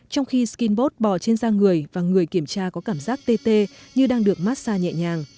trong khi skinbot bò trên da người và người kiểm tra có cảm giác tê tê như đang được massage nhẹ nhàng